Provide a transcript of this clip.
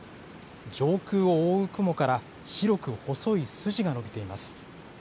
上空を覆う雲から、白く細い筋がのびています。